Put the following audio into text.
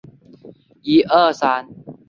他正抖作一团时，却听得豁的一声